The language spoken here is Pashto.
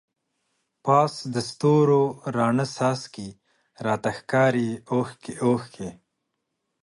پاس د ستورو راڼه څاڅکی، راته ښکاری اوښکی اوښکی